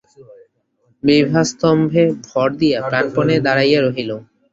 বিভা স্তম্ভে ভর দিয়া প্রাণপণে দাঁড়াইয়া রহিল।